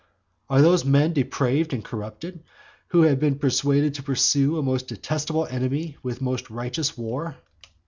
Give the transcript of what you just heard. Are those men depraved and corrupted, who have been persuaded to pursue a most detestable enemy with most righteous war?